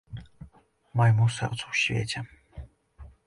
Майму сэрцу ў свеце.